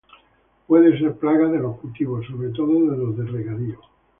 Puede ser plaga de los cultivos, sobre todo de los de regadío.